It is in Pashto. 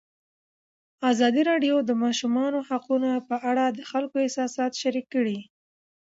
ازادي راډیو د د ماشومانو حقونه په اړه د خلکو احساسات شریک کړي.